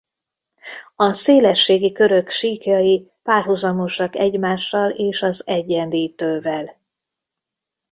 A szélességi körök síkjai párhuzamosak egymással és az Egyenlítővel.